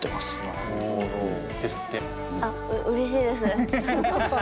あっうれしいです。